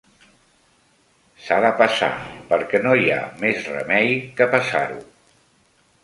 S'ha de passar perquè no hi ha més remei que passar-ho